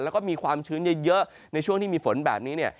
แล้วก็มีความชื้นเยอะในช่วงที่มีฝนแบบนี้เนี่ย